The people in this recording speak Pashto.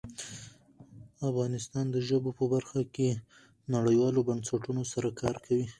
افغانستان د ژبو په برخه کې نړیوالو بنسټونو سره کار کوي.